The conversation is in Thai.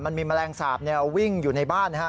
มันมีแมลงสาปเนี่ยวิ่งอยู่ในบ้านนะฮะ